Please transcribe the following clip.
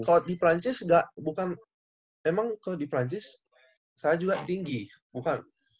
kalau di perancis bukan emang kalau di perancis saya juga tinggi bukan